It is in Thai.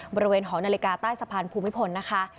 บริเวณหอนาฬิกาใต้สะพานภูมิพลนะคะ